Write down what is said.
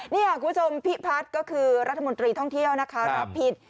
นี่คุณผู้ชมพิพัฒน์ก็คือรัฐมนตรีท่องเที่ยวนะคะรับผิด